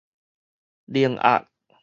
靈鴨